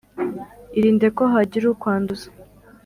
irinde ko hagira ukwanduza